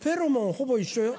ほぼ一緒よ。